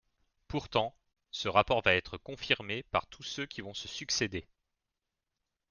Pourtant, ce rapport va être confirmé par tous ceux qui vont se succéder.